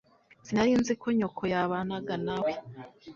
Sinari nzi ko nyoko yabanaga nawe.